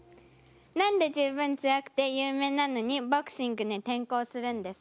何で十分強くて有名なのにボクシングに転向するんですか？